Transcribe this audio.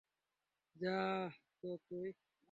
যা তো তুই।